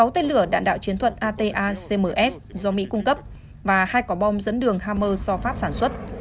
sáu tên lửa đạn đạo chiến thuận atacms do mỹ cung cấp và hai cỏ bom dẫn đường hammer do pháp sản xuất